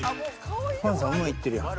ワンさん馬いってるやん。